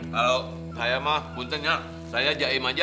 kalau saya mah buntan ya saya jaga imah aja